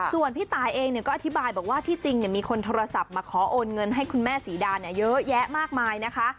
ส่วนพี่ตายเองก็อธิบายบอกว่าที่จริงมีคนโทรศัพท์มาขอโอนเงินให้คุณแม่ศรีดาเยอะแยะมากมายนะคะ